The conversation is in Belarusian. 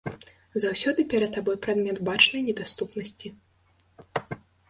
Заўсёды перад табой прадмет бачнай недаступнасці!